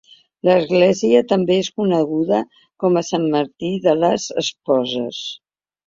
L'església també és coneguda com a Sant Martí de les Esposes.